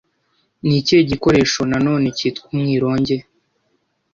Ni ikihe gikoresho nanone cyitwa umwironge